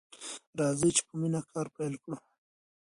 راځئ چې په مینه کار پیل کړو.